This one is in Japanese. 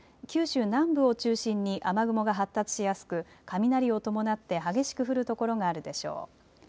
九州南部を中心に雨雲が発達しやすく雷を伴って激しく降る所があるでしょう。